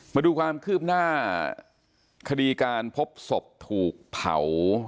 มาดูความคืบหน้าคดีการพบศพถูกเผา